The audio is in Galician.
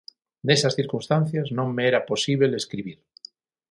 Nesas circunstancias, non me era posíbel escribir.